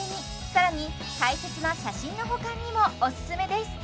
更に大切な写真の保管にもおすすめです